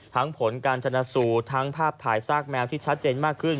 ผลการชนะสูตรทั้งภาพถ่ายซากแมวที่ชัดเจนมากขึ้น